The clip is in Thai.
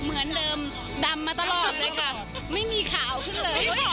เหมือนเดิมดำมาตลอดเลยค่ะไม่มีข่าวขึ้นเลย